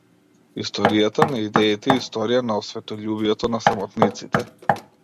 Историјата на идеите е историја на осветољубието на самотниците.